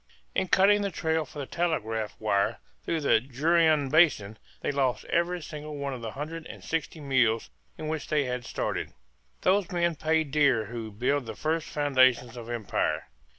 In cutting the trail for the telegraph line through the Juruena basin they lost every single one of the hundred and sixty mules with which they had started. Those men pay dear who build the first foundations of empire!